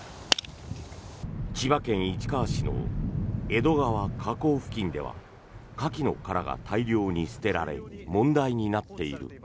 千葉県市川市の江戸川河口付近ではカキの殻が大量に捨てられ問題になっている。